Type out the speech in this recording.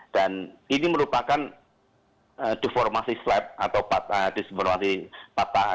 dan ini merupakan deformasi slab atau deformasi patah